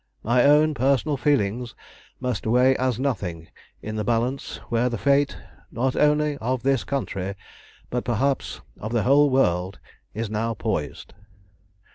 My own personal feelings must weigh as nothing in the balance where the fate, not only of this country, but perhaps of the whole world, is now poised.